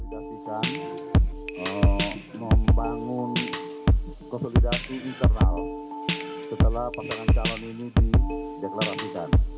konsolidasi kan membangun konsolidasi internal setelah panggangan calon ini di deklarasikan